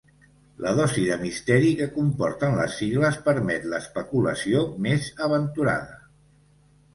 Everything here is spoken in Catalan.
La dosi de misteri que comporten les sigles permet l'especulació més aventurada.